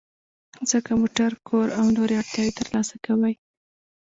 ځکه موټر، کور او نورې اړتیاوې ترلاسه کوئ.